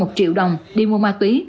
một triệu đồng đi mua ma túy